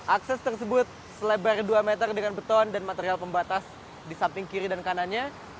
akses tersebut selebar dua meter dengan beton dan material pembatas di samping kiri dan kanannya